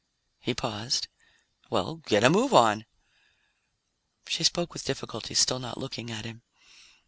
He paused. "Well, get a move on!" She spoke with difficulty, still not looking at him.